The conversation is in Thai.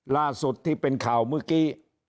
ล่าสุดที่เป็นข่าวเมื่อกี้